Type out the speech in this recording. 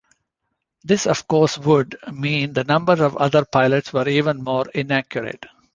This, of course would, mean the numbers of other pilots were even more inaccurate.